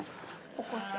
起こして。